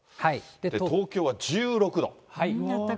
東京は１６度。